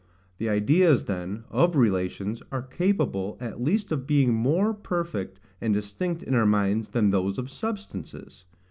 THE IDEAS, THEN, OF RELATIONS, ARE CAPABLE AT LEAST OF BEING MORE PERFECT AND DISTINCT IN OUR MINDS THAN THOSE OF SUBSTANCES.